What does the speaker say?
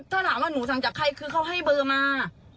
ถ้าถามว่าหนูสั่งจากใครคือเขาให้เบอร์มา